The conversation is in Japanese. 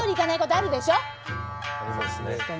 ありますね。